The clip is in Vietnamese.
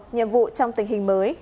nhiệm vụ trong tình hình mới